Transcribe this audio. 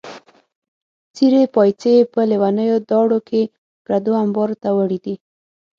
څېرې پایڅې یې په لیونیو داړو کې پردو امبارو ته وړې دي.